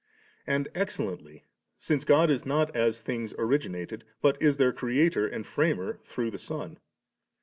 And excellently: since God is not as things origin ated, but is their Creator and Framer through the Son.